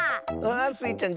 スイちゃん